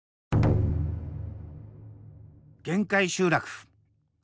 限界集落。